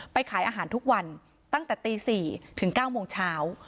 ขายอาหารทุกวันตั้งแต่ตี๔ถึง๙โมงเช้า